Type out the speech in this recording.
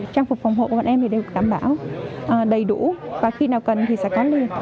trang phục phòng hộ của bọn em thì đều đảm bảo đầy đủ và khi nào cần thì sẽ có lương